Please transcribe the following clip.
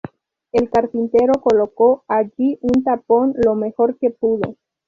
El carpintero coloco allí un tapón lo mejor que pudo.